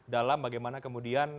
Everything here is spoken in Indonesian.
dalam bagaimana kemudian